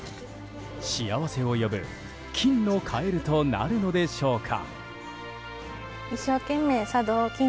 幸せを呼ぶ金のカエルとなるのでしょうか。